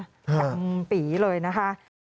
ตั้งปีเลยนะคะ